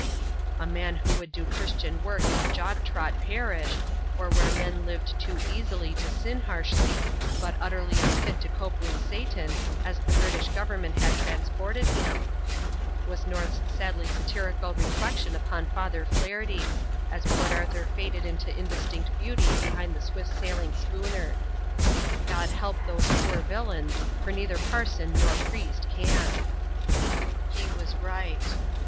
"A man who would do Christian work in a jog trot parish, or where men lived too easily to sin harshly, but utterly unfit to cope with Satan, as the British Government had transported him," was North's sadly satirical reflection upon Father Flaherty, as Port Arthur faded into indistinct beauty behind the swift sailing schooner. "God help those poor villains, for neither parson nor priest can." He was right.